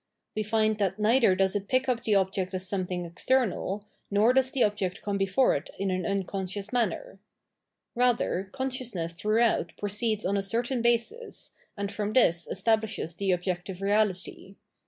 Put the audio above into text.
We find that neither does it pick up the object as something external, nor does the object come before it in an unconscious manner. Rather, conscious ness throughout proceeds on a certain basis, and from this establishes the objective reality.